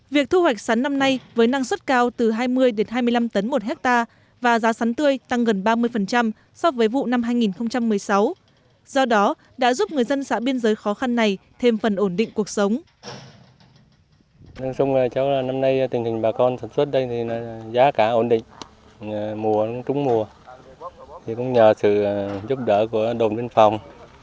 việc thu hoạch sắn năm nay với năng suất cao từ hai mươi hai mươi năm tấn một hectare và giá sắn tươi tăng gần ba mươi so với vụ năm hai nghìn một mươi sáu do đó đã giúp người dân xã biên giới khó khăn này thêm phần ổn định cuộc sống